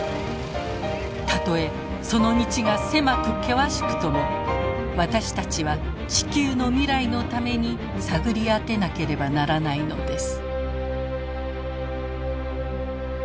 たとえその道が狭く険しくとも私たちは地球の未来のために探り当てなければならないのです。